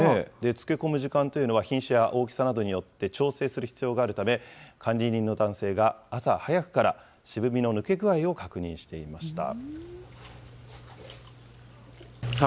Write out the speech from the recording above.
つけ込む時間というのは品種や大きさなどによって、調整する必要があるため、管理人の男性が朝早くから、渋みの抜け具合を確認していました。